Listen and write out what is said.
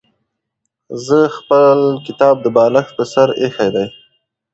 زه خپل کتاب د بالښت پر سر ایښی دی.